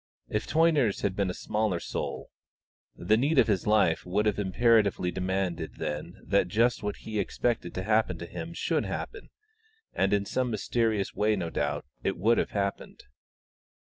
If Toyner's had been a smaller soul, the need of his life would have imperatively demanded then that just what he expected to happen to him should happen, and in some mysterious way no doubt it would have happened.